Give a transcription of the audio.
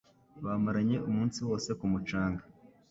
Bamaranye umunsi wose ku mucanga.